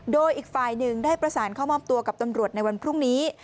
โดยอีกฝ่ายหนึ่งได้ประสานเข้ามอบตัวกับตำรวจในวันพรุ่งนี้